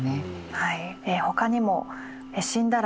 はい。